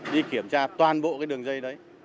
đi kiểm tra toàn bộ đường dây